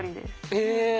え。